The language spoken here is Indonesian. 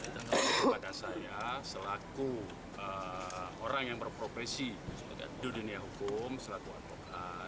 dan kepada saya selaku orang yang berprofesi di dunia hukum selaku aduan